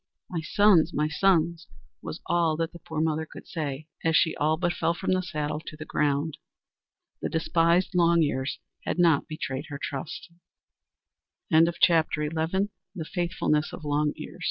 (my sons, my sons!)" was all that the poor mother could say, as she all but fell from the saddle to the ground. The despised Long Ears had not betrayed her trust. V SNANA'S FAWN The Little Missouri was in